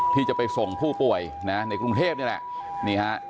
ที่จะไปส่งผู้ป่วยนะในกรุงเทพนี่แหละนี่ฮะ